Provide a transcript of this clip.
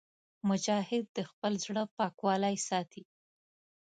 مجاهد د خپل زړه پاکوالی ساتي.